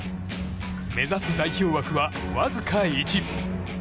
目指す代表枠はわずか１。